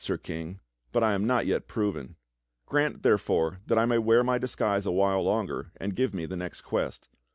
Sir King, but I am not yet proven. Grant therefore that I may wear my disguise a while longer, and give me the next quest.